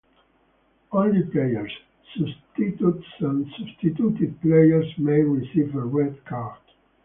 Only players, substitutes and substituted players may receive a red card.